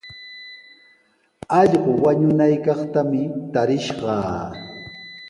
Allqu wañunaykaqtami tarishqaa.